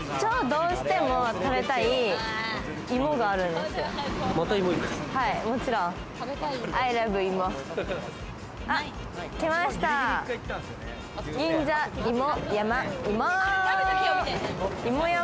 どうしても食べたい芋があるんですよ。